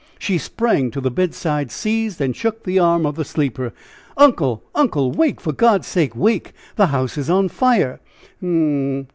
She sprang to the bedside, seized and shook the arm of the sleeper. "Uncle! uncle! wake, for God's sake, wake! the house is on fire!" "Hum m m e!"